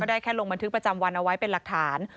ได้แค่ลงบันทึกประจำวันเอาไว้เป็นหลักฐาน